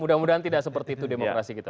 mudah mudahan tidak seperti itu demokrasi kita